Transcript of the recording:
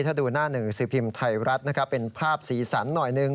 ถ้าดูหน้าหนึ่งสือพิมพ์ไทยรัฐนะครับเป็นภาพสีสันหน่อยหนึ่ง